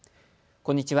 こんにちは。